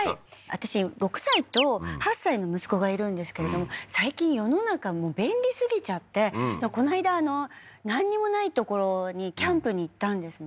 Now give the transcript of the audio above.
私６歳と８歳の息子がいるんですけれども最近世の中便利すぎちゃってこないだなんにもない所にキャンプに行ったんですね